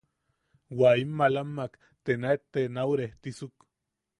Wa im maalamak te nauet te nau restisuk.